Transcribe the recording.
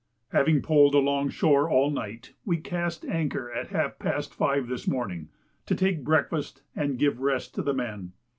Having pulled along shore all night, we cast anchor at half past five this morning to take breakfast and give rest to the men.